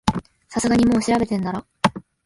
さすがにもう調べてんだろ